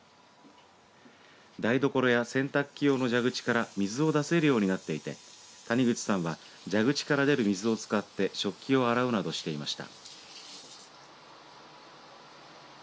台所や洗濯機用の蛇口から水を出せるようになっていて谷口さんは蛇口から出る水を使って食器を洗うなどをしていました。